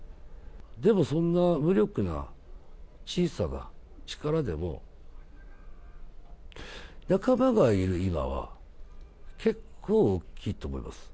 でもそんな無力な小さな力でも、仲間がいる今は結構大きいと思います。